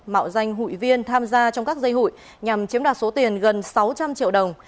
mạo danh hụi viên tham gia trong các dây hụi nhằm chiếm đoạt số tiền gần sáu trăm linh triệu đồng